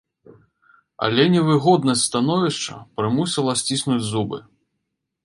Але невыгоднасць становішча прымусіла сціснуць зубы.